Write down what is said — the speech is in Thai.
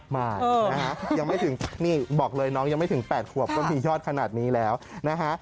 มานะฮะยังไม่ถึงนี่บอกเลยน้องยังไม่ถึง๘ขวบก็มียอดขนาดนี้แล้วนะฮะ